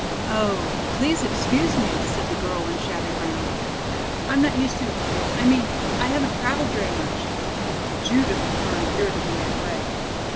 "Oh, please excuse me," said the girl in shabby brown. "I'm not used to I mean I haven't traveled very much." Judith turned irritably away.